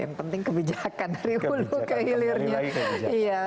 yang penting kebijakan dari hulu ke hilirnya